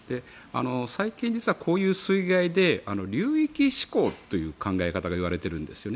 最近、実はこういう水害で流域志向という考え方が言われているんです。